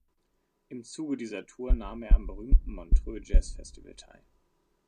Im Zuge dieser Tour nahm er am berühmten Montreux Jazz Festival teil.